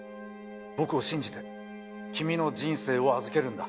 僕を信じて君の人生を預けるんだ。